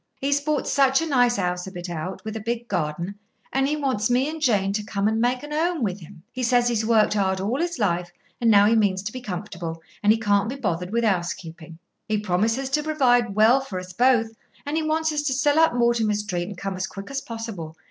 He's bought such a nice house a bit out, with a big garden, and he wants me and Jane to come and make a home with him. He says he has worked hard all his life, and now he means to be comfortable, and he can't be bothered with housekeeping. He promises to provide well for us both, and he wants us to sell up Mortimer Street, and come as quick as possible.